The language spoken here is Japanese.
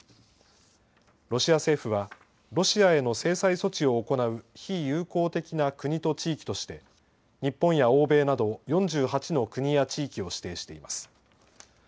ロシア政府はロシアへの制裁措置を行う非友好的な国と地域として日本や欧米など４８の国や地域を指定しています。